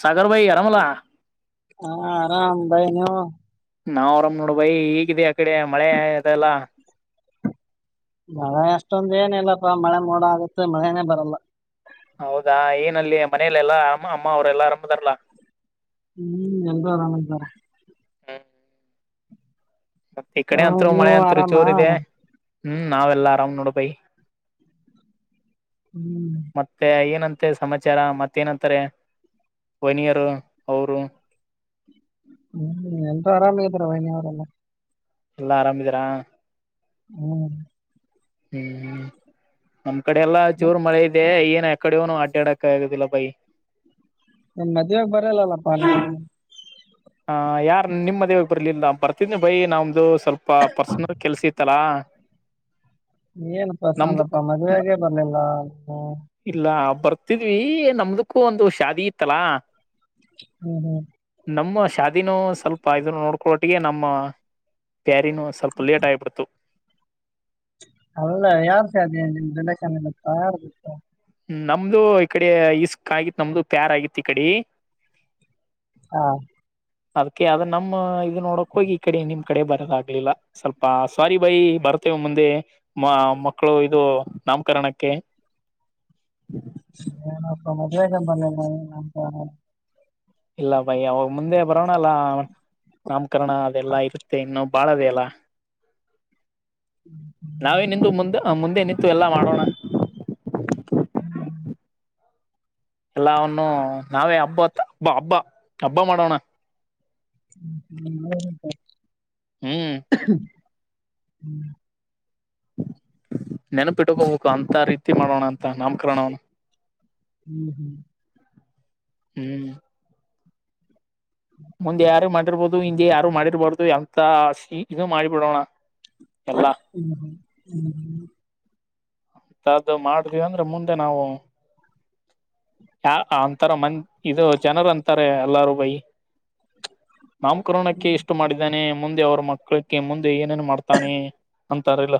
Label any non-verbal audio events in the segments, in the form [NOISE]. ಸಾಗರ ಬಾಯ್ ಅರಾಮಲ್ಲ ಹಾ ಆರಾಮ್ ಬೈ ನೀವು ನಾವ್ ಆರಾಮ್ ನೋಡ್ ಬೈ ಹೇಗಿದೆ ಆ ಕಡೆ ಮಳೆ ಇದೆಲ್ಲ ಹ ಅಷ್ಟೊಂದ ಏನ ಇಲ್ಲಪ್ಪ ಮಳೆ ಮೋಡ ಆಗತ್ತೆ ಮಳೆನೇ ಬರಲ್ಲ. ಹೌದಾ ಏನಲ್ಲಿ ಮನಲೆಲ್ಲಾ ಅಮ್ಮ ಅಮ್ಮ ಅವ್ರೆಲ್ಲಾ ಆರಾಮ ಅದರಲ. ಹ್ಮ್ ಎಲ್ರೂ ಅದಾರ. ಹ್ ಮತ್ತ ಈ ಓ ಕಡೆ ಅಂತ್ರು ನೀವು ಮಳೆ ಅಂತ್ರು ಆರಾಮಾ ಜೋರ್ ಇದೆ. ಹ್ಮ್ ನಾವೆಲ್ಲಾ ಆರಾಮ್ ನೋಡು ಬೈ ಹ್ಮ್ ಮತ್ತೆ ಏನಂತ. ಮತ್ತೆ ಸಮಾಚಾರ ಮತ್ತೇನಂತಾರೆ ವೈನಿಯರ ಅವ್ರು. ಹ್ಮ್ ಎಲ್ರು ಆರಾಮ ಇದಾರ ವೈನಿ ಅವುರೆಲ್ಲ. ಎಲ್ಲಾ ಆರಾಮಿದೀರಾ. ಹ್ಮ್ ಹ್ಮ್ ಹ್ಮ ನಮ್ ಕಡೆ ಎಲ್ಲಾ ಜೋರ್ ಮತ್ತ್ ಮಳೆ ಇದೆ ಏನ್ ಏಕಡುನು ಅಡ್ಡ್ಯಡಕ ಆಗದಿಲ್ಲ ಬೈ. ನನ್ ಮದ್ವೆಗ ಬರಲಲ್ಲಪ್ಪ ನೀವು. ಹ ಯಾರ ನಿಮ್ ಮದ್ವೆಗ್ ಬರ್ಲಿಲ್ಲ ಬರ್ತಿದ್ದೆ ಬೈ ನಮ್ದು ಸ್ವಲ್ಪ ಪರ್ಸನಲ್ ಕೆಲ್ಸ ಇತ್ತಲಾ. [INAUDIBLE] ಎನ ಪರ್ಸನಲಪ್ಪ ನಮ್ದು ಮದ್ವೆಗೆ ಬರ್ಲಿಲ್ಲ ಹ್ಮ್. ಇಲ್ಲ ಬರ್ತಿದ್ವಿ ನಮ್ದಕ್ಕೂ ಒಂದು ಶಾದಿ ಇತ್ತಲಾ. ಹ್ಮ್ ಹ್ಮ್ ನಮ್ಮು ಶಾದಿನೂ ಸ್ವಲ್ಪ ಇದುನ್ನು ನೋಡ್ಕೊಟ್ಟಿಗೆ ನಮ್ಮ. ಪ್ಯಾರಿನೂ ಸ್ವಲ್ಪ ಲೇಟ್ ಆಗಿಬಿಡ್ತು. ಅಲ್ಲ ಯಾರ್ ಶಾದಿ ನಿಮ್ದು ರಿಲೇಶನಲಿತ್ತ ಯಾರ್ದ ಇತ್ತ. ನಮ್ದು ಈಕಡೆ ಇಸ್ಕ್ ಆಗಿತ್ತ ನಮ್ದು ಪ್ಯಾರ ಆಗಿತ್ತು ಈಕಡಿ. ಹಾ ಅದಕ್ಕೆ ಅದ ನಮ್ಮ ಇದ ನೋಡಕ್ ಹೋಗಿ ಈ ಕಡೆ ನಿಮ್ ಕಡೆ ಬರೋದಾಗ್ಲಿಲ್ಲ ಸ್ವಲ್ಪ ಸ್ವಾರಿ ಭೈ ಬ ಬರ್ತೇವ್ ಮುಂದೆ ಮ ಮಕ್ಕಳು ಇದು ನಾಮಕರಣಕ್ಕೆ. ಏನೋಪ್ಪಾ ಮದ್ವೆಗೆ ಬರ್ಲಿಲ್ಲ ಇನ್ ನಾಮಕರಣ ಇಲ್ಲ ಭೈ ಅವಾಗ ಮುಂದೆ ಬರೋಣಲ್ಲ ನಾಮಕರಣ ಅದೆಲ್ಲಾ ಇರುತ್ತೆ ಇನ್ನು ಬಾಳದೇ ಏಲ್ಲ. ನಾವೇ ನಿಂದು ಮುಂದ ಮುಂದೆ ನಿಂತು ಎಲ್ಲಾ ಮಾಡೋಣ. ಹ್ಮ್ ಎಲ್ಲಾವನ್ನು ನಾವೇ ಹಬ್ಬತ್ ಹಬ್ಬ ಹಬ್ಬ ಹಬ್ಬ ಮಾಡೋಣ. ಹ್ಮ್ [UNINTELLIGIBLE] ನೆನಪಿಟ್ಟಕೋಬೇಕು ಅಂತ ರೀತಿ ಮಾಡೋಣ ಅಂತ ನಾಮಕರಣವನ್ನು. ಹ್ಮ್ ಹ್ಮ್ ಹ್ಮ್ ಮುಂದೆ ಯಾರು ಮಾಡಿರ್ಬೋದು ಹಿಂದೆ ಯಾರು ಮಾಡಿರ್ಬಾರ್ದ ಎಂತ ಸ್ ಇ ಇದ ಮಾಡಿಬಿಡೋಣ. ಎಲ್ಲಾ ಹ್ಮ್ ಹ್ಮ ಹ್ಮ್ ಹ್ಮ ಅದ್ದ ಮಾಡ್ಡಿವಂದ್ರ ಮುಂದೆ ನಾವು. ಯ ಅಂತರ ಮಂದ ಇದು ಜನರ ಅಂತಾರೆ ಎಲ್ಲಾರು ಬೈ. ನಾಮಕರಣಕ್ಕೆ ಎಷ್ಟು ಮಾಡಿದ್ದೇನೆ ಮುಂದೆ ಅವ್ರ ಮಕ್ಕಳಕ್ಕೆ ಮುಂದ ಏನೇನ್ ಮಾಡ್ತಾನೆ ಅಂತಾರಿಲ್ಲ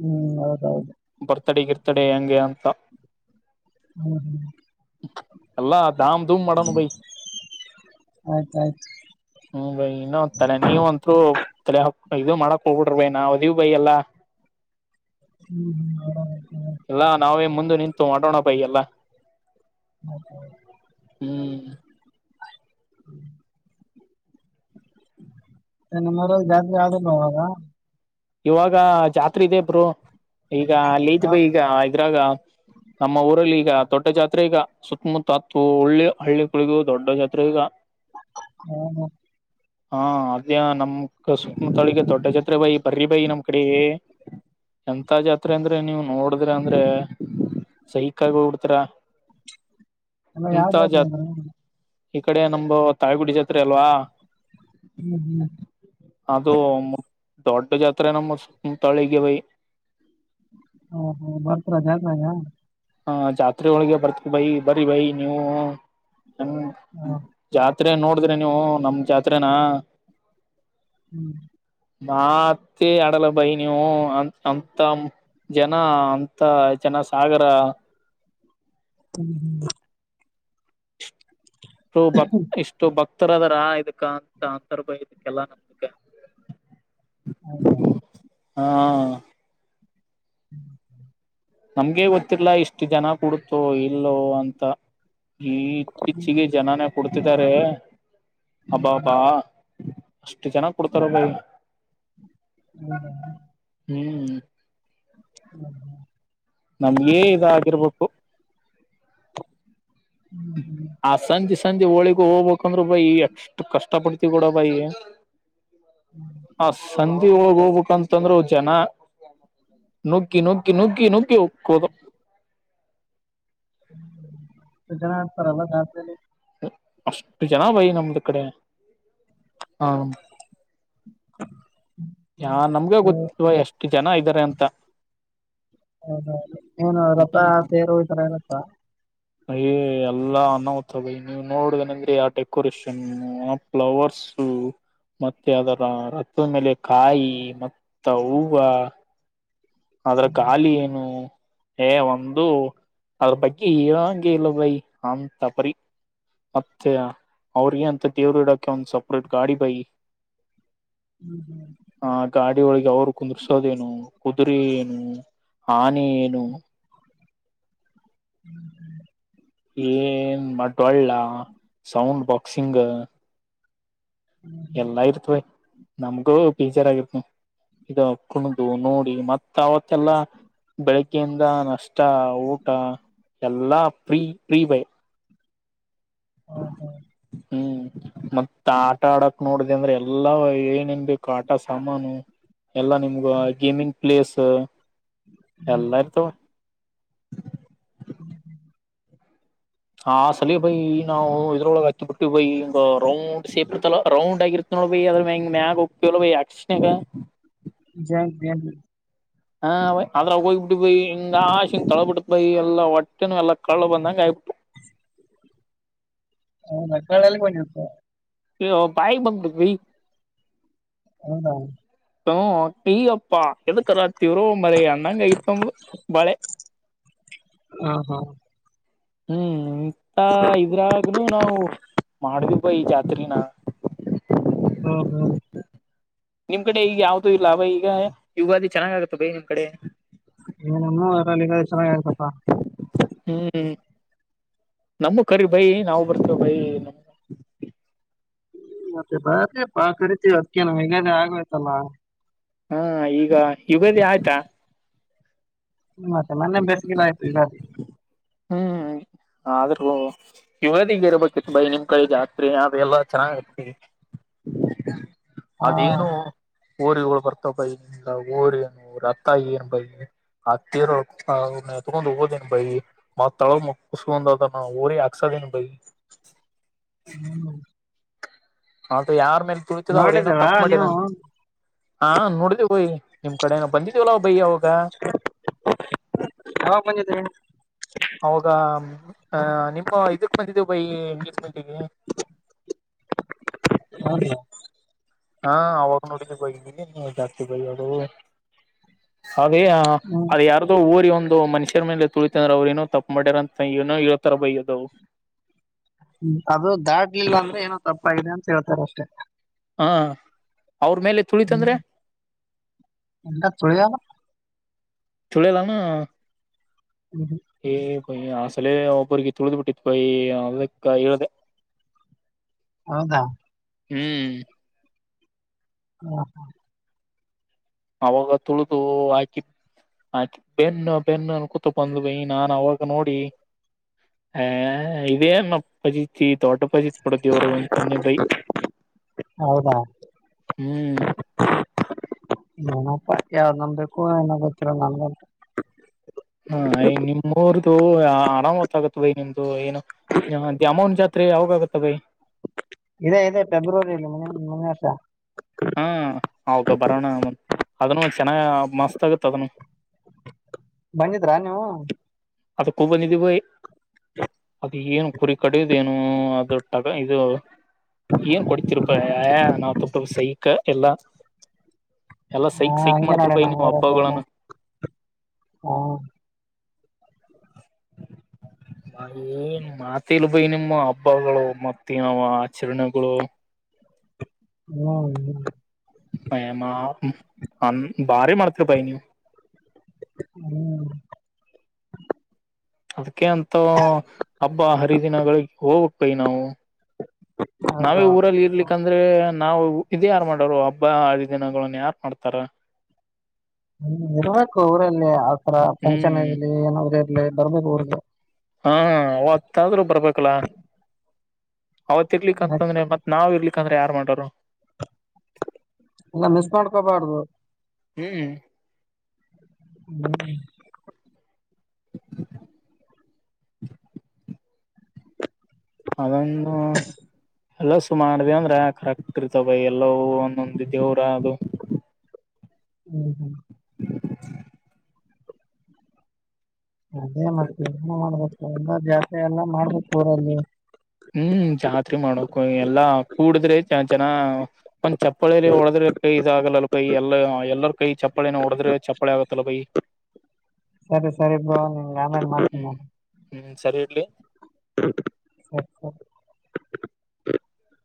ಹ್ಮ್ ಹೌದೌದು ಬರ್ ಬರ್ತಡೇ ಗಿರ್ತಡೆ ಹೆಂಗೆ ಅಂತ. ಹ್ಮ್ ಹ್ಮ್ ಎಲ್ಲಾ ದಾಮ್ ದುಮ್ ಮಾಡನು ಬೈ. ಆಯ್ತಾಯ್ತು ಹ್ಮ್ ಬೈ ಇನ್ನೊ ತಲೆ ನೀವ್ ಅಂತ್ರು ತಲ್ಯ ಹಾಕ್ ಇದು ಮಾಡಕ್ ಹೋಗುಡ್ರು ಬೈ ನಾವ್ ಅದಿವಿ ಭೈ ಎಲ್ಲಾ. ಹ್ಮ್ ಹ್ಮ್ ಮಾಡಮ್ ಅಂತ್ ತಗ. ಮುಂದ ನಿಂತು ಮಾಡೋಣ ಬೈ ಎಲ್ಲಾ. ಮತ್ತ. ಹ್ಮ್ [INAUDIBLE] ಏ ನಿಮ್ಮೂರಾಗ ಆದ್ ಇಲ್ಲೋ ಆಗ. ಇವಾಗ ಜಾತ್ರೆ ಇದೆಬ್ರು ಈಗ ಲೀತ್ ಭೖ ಈಗ ಇದ್ರಾಗ ನಮ್ಮ ಊರಲ್ಲಿ ಈಗ ತೊಡ್ಡ ಜಾತ್ರೆ ಈಗ ಸುತ್ತಮುತ್ತತ್ತು ಒಳ್ಳಿ ಹಳ್ಳಿಗಳಿಗ ದೊಡ್ಡ ಜಾತ್ರೆ ಈಗ ಹ್ಮ ಹಾ ಅದೇ ನಮ್ ಸುುತ್ತಮುತ್ತಳಿಗೆ ದೊಡ್ಡ ಜತ್ರೆ ಬಾಯಿ ಬರ್ರಿ ಬಾಯಿ ನಮ್ ಕಡೆಗೆ ಎಂತ ಜಾತ್ರೆ ಅಂದ್ರೆ ನೀವುನೋಡಿದ್ರ ಅಂದ್ರೆ ಸೈಕ್ಗ ಹೋಗಬಿಡ್ತರ ಎಲ್ಲ ಯಾವ್ದತ್ ಅಂದ ಈ ಕಡೆ ನಮ ತಾಳಗುಡಿ ಜಾತ್ರೆ ಅಲ್ವಾ ಹ್ಮ್ ಹ್ಮ್ ಅದು ದೊಡ್ಡ ಜಾತ್ರೆ ನಮ್ಮ ತಳಿಗೆ ಬೈ ಹಾ ಹಾ ಬರ್ತರ ಜಾಗಾಗ ಹ ಜಾತ್ರೆ ಒಳಗೆ ಬರ್ತೀವಿ ಬೈ ಬರ ಬೈ ನೀವು ಹಾ, ಜಾತ್ ಜಾತ್ರೆ ನೋಡಿದ್ರಿ ನೀವು ನಮ ಜಾತ್ರೇನ ಹ್ಮ್ ಮಾತ್ತ ಅಡಲ ಬೈನವು ಅ ಅಂತ ಜನ ಅಂತ ಜನ ಸಾಗರ ಹ್ಮ್ ಹ್ಮ ಇಷ್ಟು ಬಕ್ ತ್ತರ ಅದಾರಾ ಇದಕ್ಕ ಅಂತ ಅಂತರ್ಭ ಇದಕ್ಕೆಲ್ಲಾ ನಮ್ದಕ ಹೌದಾ ಹಾ ನಮ್ಗೆ ಗೊತ್ತಿಲ್ಲ ಇಷ್ಟು ಜನ ಕುೂಡತೋ ಇಲ್ಲೋ ಅಂತ ಈತ್ತೀಚೆಗೆ ಜನನೇ ಕೊಡ್ತಿದಿದ್ದಾರೆ ಹಬ್ಬಾ ಹಬ್ಬಾ ಅಷ್ಟು ಜನ ಕೊಡ್ತಾರ ಭೈ ಹೌದ ಹ್ಮ್ ತಿರುರುವಪ್ಪು ಆ ಸಂದಿಸಂದಿ ಹೋಳಿಗ ಹೋಗ್ಬೇಕಂದ್ರರು ಬೈ ಎಷ್ಟು ಕಷ್ಟ ಪಡ್ತಿವಿ ಕೂಡ ಬೈ ಹ ಸಂದಿ ಒಳಗ ಹೋಗ್ಬೇಕಂತಂದ್ರೆ ಜನ ನುಕ್ಕಿ ನುಕ್ಕಿ ನುಕ್ಕಿ ನುಕಿ ಕದು ಜನ ಆತರ ಅಲ್ಲ ಅಷ್ಟು ಜನ ವೈ ನಮ್ದ ಕಡೆ ಹಾ ಹ ಯಾ ನಮ್ಗ ಗೊತ್ತಲ್ವಾ ಎಷ್ಟು ಜನ ಇದ್ದಾರೆ ಅಂತ ಹೌದ ಏನು ರಸ ತೇರು ಈ ತರ ಇರುತ್ತ ಅಯ ಎಲ್ಲಾ ಅನ್ನವತ ಬಯಿ ನೀವ್ ನೋಡುದನಂದ್ರೆ ಆ ಡೆಕೋರೇಷನ್ ಆ ಫ್ಲವರ್ಸ್ ಹ್ಮ ಮತ್ತೆ ಅದರ ರತದ ಮೇಲೆ ಕಾಯಿ ಮತ್ತ ಹೂವು ಅದ್ರ ಖಾಲಿ ಏನು ಏ ಒಂದು ಅದ್ರ ಬಗ್ಗೆ ಇರಂಗೆ ಇಲ್ಲದೈ ಅಂತ ಬರಿ ಮತ್ತೆ ಅವ್ರಿಗೆ ಅಂತ ದೇವ್ರ ಇಡಾಕ ಒಂದ ಸಪ್ರೇಟ್ ಗಾಡಿ ಬೈ ಹ್ಮ್ ಹ್ಮ್ ಆ ಗಾಡಿ ಒಳಗೆ ಅವ್ರ ಕುಂದರ್ಸೋದ ನು ಕುದುರೆ ಏನು ಆನೆ ಏನು ಹ್ಮ್ ಹ್ಮ್ ಏನ್ ಮಟ್ವಲ್ಲ ಸೌಂಡ್ ಬಾಕ್ಸಿಂಗ್ ಎಲ್ಲಾ ಇರ್ತ್ವ ನಮಗೂ ಪೀಜರ್ ಆಗಿತ್ ಇದ ಕುಣ್ದು ನೋಡಿ ಮತ್ತ ಅವವತ್ತೆಲ್ಲಾ ಬೆಳಿಗ್ಯಿಂದ ನಷ್ಟ ಊಟ ಎಲ್ಲಾ ಪ್ರೀ ಪ್ರೀ ಬಯ ಹಾ ಹಾ ಹ್ಮ್ ಮತ್ತ ಆಟ ಆಡಕ್ ನೋಡ್ದ ಅಂದ್ರೆ ಎಲ್ಲಾ ಏನನ್ ಬು ಆಟ ಸಾಮಾನು ಎಲ್ಲಾ ನಿಮ್ಗ ಗೇಮಿಂಗ್ ಪ್ಲೇಸ್ ಎಲ್ಲಾ ಇರ್ತವ ಹ್ಮ ಹ್ಮ ಹ ಸಲ ಬೈ ನಾವು ಇದ್ರೊಳಗ ಹಾಕಿ ಬಿಿಟ್ಟು ಬೈ ಒ ರೌಂಡ್ ಶೇಪ್ ಇರ್ತಲ್ಲ ರೌಂಡ್ ಆಗಿರ್ತ ಅದ್ರ ಮ ಮ್ಯಾ ಗೋಗಪ್ಪಿ ಅಕ್ಷಣ ಜ ಹಾ ಬಯ ಅದ್ರಾಗ ಹೋಗ್ ಬಿಿಡಿ ಬೈ ಹಿಂಗ ಆ ಹಂಗ್ ತಳ ಬಿಟ್ಟತ್ ಬೈಯ ಎಲ್ಲ ಹೊಟ್ಟೆನು ಎಲ್ಲ ಕಳ್ಳಳ ಬಂದಂಗ ಆಯಬಿಟ್ಟು ಹೌದ ಕಳಲ್ಲಿ ಬಂದಿತ ಕೆ ಭಾಯ ಬ ಭ ಹೌದೌ ಹ ಈಗಪ್ಪಾ ಎದಕ ರಾತವ್ರುೋ ಮರ ಅಣ್ಣಂಗ ಇತ್ತೊಂದ ಬಳೆ ಹ ಹೋ ಹ್ಮ್ ಇಂತ ಇದ್ರಾಗ ನಾವು ಮಾಡ್ದ ಬ ಈ ಜಾತ್ರನ ಹ್ಮ ಹ್ಮ್ ನಿಮ್ ಕಡೆ ಈಗ ಯಾವ್ದೂ ಇಲ್ಲ ಅವ ಈಗ ಯುಗಾದಿ ಚೆನ್ನಾಗ್ ಆಗತ್ತ ಭೈ ನಿಮ್ ಕಡೆ ಏನನು ಅರಲ್ಲಿ ಚೆನ್ನಾಗ ಆಯ್ತಾ ಹ್ಮ್ ನಮೂ ಕರಿ ಬೈ ನಾವು ಬರ್ತೇವೆ ಬೈ ನಮ ಮತ್ತೆ ಬರ ಬಾ ಕರಿತೀವಿ ಅದಕ ನ್ ಹಗೇ ಆಗ್ಬೇಕೇತಲ್ಲ ಹಾ ಈಗ ಯುಗದಿ ಆಯ್ತಾ ಮತ್ತೆ ಮನ್ನೆ ಬೇಸಿಗೆಲ ಆಯ್ತು ಯಗ ಹ್ಮ ಆದ್ರೂ ಇವದಿಂಗ ಇರಬೇಕಿತ್ತು ಬೈ ನಿಮ್ ಕಡೆ ಜಾತ್ರೆ ಅ ಎಲ್ಲಾ ಚೆನ್ನಾಗತಿತಿ ಹಾ ಅದೇನು ಊರಿಗೆಗಳು ಬರ್ತಾವ ಬೈ ಏಿಲ್ಲ ಊರ ಏನು ಊರ ಅತ್ತಾಗಿಿ ಏನ್ ಬೈ ಹತ್ತರ ತಗೊಂಡು ಹೋದೇನೆ ಬೈ ಮ ತಳ ಕುುಸು ಹಂದದ ಊರಿ ಆಕ್ಸದೆ ಬ ಹ್ಮ್ ಹೌದು ಯಾರ ಮೇಲೆ ತುಳತಿದೋ ಅವ್ರರು ಏನೋ ನೋಡಿದೀರಾ ತಪ್ಪ ಮಾಡ ನ ನೀವು ಹಾ ನೋಡ್ದಯಿ ನಿಮ ಕಡೆ ಬಂದಿಿದ್ದವಲ ಭಯ ಅವೋಗ ಯಾವಾಗ ಬಂದಿದ್ರಿ ಅವಾಗ ಹ ನಿಮ್ಮ ಇದಕ್ ಬಂದಿದ್ದೇವು ಬೈ ಎಂಗ್ಲೇಜ್ಮೆಂಟಿಗೆ ಹದ ಹಾ ಅವಾಗ ನೋಡಿದ ಬೋಗಿದ್ದೀನಿ ನೀ ಜಾಸ್ತಿ ಬೈ ಅಡು ಅೇ ಹ್ಮ್ ಅದು ಯಾರದ್ದೋ ಓರಿ ಒಂದು ಂದು ಮನುಷ್ಯರ ಮೇಲೆ ತುಳಿತಂದ್ರ ಅವ್ರ ಏನೋ ತಪ್ಪು ಮಾಡ್ಯಾರಂತ ಏನೋ ಇರೋ ತರ ಬೈ್ಯೋದವು ಹ್ಮ ಅದು ದಾಟ್ಲಿಲ್ಲ ಅಂದ್ರೆ ಏನೋ ತಪ್ಪಾಗಿದೆ ಅಂತ ಹೇಳ್ತಾರ ಅಷ್ಟೇ ಹಾ ಅವ್ರ ಮೇಲೆ ಹ್ಮ್ ತುಳಿತಂದ್ರೆ ಎಲ್ಲ ತುಳಿಯಲ್ಲ ಚುಳ್ಳದಾನ ಹ್ಮ್. ಹ ಪಯ ಆ ಸಲ ಒಬ್ಬ್ರಿಗೆ ತಿುಳ್ದ್ ಬಿಟ್ಟಿತ್ತು ಪಯ ಅದಕ್ಕ ಹೇಳ್ದ ಹೌದಾ ಹ್ಮ್ ಹಾ ಹಾ ಅವಾಗ ತುಳದುು ಹಾಕ ಆೆ ಬೆನ್ನು ಬೆನ್ನುನ್ನ ಕೂತ ಬಂದ್ ಬ ನಾನು ಅವಾಗ ನೋಡಿ ಹ ಇದೇ ನ ಪತಿ ತೋಟಪಚಿತ್ಪಡದವರ ತಂದಿ ಭೈ ಹೌದಾ ಹ್ಮ್ ನನಪ್ಪಾ ಯಾವ್ದ ನಮಬೇಕು ಏನ ಗೊತ್ತರ ನನ್ ಗಂಟ ಹಾ ಯ ನಿಮ್ ಊರದು ಆರಾಮ್ ಗೋ ತ್ತಾಗತ್ ನಿಮ್ದು ಏನು ದ್ಯಾಮವ್ವನ ಜಾತ್ರಿ ಯಾವಗ ಆಗುತ್ತ ಬೈ. ಇದೇ ಇದೆ ಫೆಬ್ರವರಿಯಲ್ಲಿ ಮುಂದಿನ ವರ್ಷ ಅದನು ಚೆನ್ನಾಗ ಮಸ್ತ್ ಆಗತ್ ಅದನು. ಬಂದಿದ್ರಾ ನೀವು. ಅದಕ್ಕೂ ಬಂದಿದ್ದೀ ಬೈಯ ಅದ ಏನು ಕುರಿ ಕಡಿದೇನು ಅ ದೋಟ್ಟಾಗ ಇದು ಏನ್ ಕುಡಿತರ್ಪ ನಾ ತುಪ್ಪದ ಸಹಿಕ ಎಲ್ಲಾ ಎಲ್ಲಾ ಹಾ ಸೈಕ್- ಸೈಕ್ ಹಂಗೆ ಮಾಡ್ತರ ನೋಡಿ ಪೈ ನಾವು ನೀವು ಊರಲ್ಲಿ ಎಲ್ಲ ಹಬ್ಬಗಳನ್ನು ಹಾ [INAUDIBLE] ಏನ್ ಮಾತಿಲ್ ಬೈ ನಿಮ್ಮ ಹಬ್ಬಗಳು ಮತ್ತ ಯಾವ ಆಚರಣೆಗಳು [INAUDIBLE] ಹ್ಮ್ ಹ್ಮ್ ಮಯಮ್ಮ ಅ ಭಾರಿ ಮಾಡ್ತರ ಬೈ ನೀವು. ಹ್ಮ್ ಅದಕೆ ಅಂತ ಹಬ್ಬ ಹರಿದಿನಗಳಿಗೆ ಹೋಗಬೇಕ ಬೈ ನಾವು. ನಾವೇ ಹೌದೌದು ಊರಲ್ಲಿ ಇರ್ಲಿಕ್ಕಂದ್ರೆ ನಾವವು. ಇದ ಯಾರು ಮಾಡೋರು ಹಬ್ಬ ಹರಿ ದಿನಗಳನ್ನು ಯಾರ್ ಮಾಡ್ತಾರ. ಇರ್ಬೇಕು ಊರಲ್ಲಿ ಆತರ ಫಂಕ್ಷನ್ ಹ್ಮ್ ಇರ್ಲಿ ಏನಾದ್ರ ಇರ್ಲಿ ಬರ್ಬೇಕು ಊರಿಗೆ. ಹಾ ಅವತ್ತಾದ್ರೂ ಬರ್ಬೇಕಲ್ಲ. ಅವತರಿಲಿಕ್ ಆಯ್ತು, ಅಂತಂದ್ರೆ ಮತ್ತ್ ನಾವ ಇರ್ಲಿಕ್ಕಂದ್ರ ಯಾರ ಮಾಡರು. ಮಿಸ್ ಮಾಡ್ಕೊಬಾರ್ದು. ಹ್ಮ್ ಹ್ಮ [UNINTELLIGIBLE] ಅದನ್ನು ಎಲ್ಲಸು ಮಾಡ್ ಅಂದ್ರೆ ಕರೆಕ್ಟ್ ಇರ್ತವ ಬೈ ಎಲ್ಲ ಒಂದೊಂದ ದೇವ್ರ ಅದು. ಹ್ಮ್ ಹ್ಮ್ [INAUDIBLE] ಅದೇ ಮತ್ತೆ ಮಾಡ್ಬೇಕು ಎಲ್ಲ ಜಾಸ್ತಿ ಎಲ್ಲ ಮಾಡ್ಬೇಕು ಊರಲ್ಲಿ. ಹ್ಮ್ ಜಾತ್ರೆ ಮಾಡಕು ಎಲ್ಲಾ. ಕೂಡಿದ್ರೆ ಜನ ಒಂದ್ ಚಪ್ಪಳಲ್ಲಿ ಒಡದ್ರೆ ಕೈ ಇದಾಗಲ್ಲಲ್ ಕೈ ಎಲ್ಲ ಎಲ್ಲರ ಕೈ ಚಪ್ಪಳನೆ ಒಡದ್ರೆ ಚಪ್ಪಾಳೆ ಆಗತ್ತಲ್ಲ ಬೈ. ಸರಿ ಸರಿ ಬ್ರು ನಿನಗೆ ಆಮೇಲೆ ಮಾಡತೀನಿ ಹ್ಮ್ ನಾನ ಹ್ಮ್ ಸರಿ ಇಡಲಿ [INAUDIBLE]